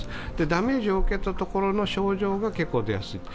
ダメージを受けた所の症状が結構出やすい。